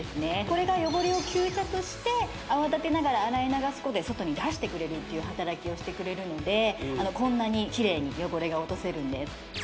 これが汚れを吸着して泡立てながら洗い流すことで外に出す働きをしてくれるのでこんなにキレイに汚れが落とせるんです